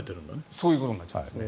そういうことになっちゃいますね。